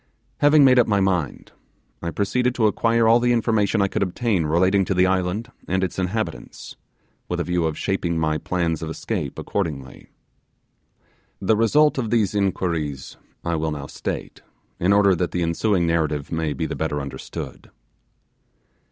Having made up my mind, I proceeded to acquire all the information I could obtain relating to the island and its inhabitants, with a view of shaping my plans of escape accordingly. The result of these inquiries I will now state, in order that the ensuing narrative may be the better understood.